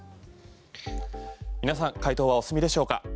皆さん回答はお済みでしょうか。